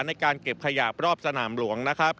ในการเก็บขยะรอบสนามหลวงนะครับ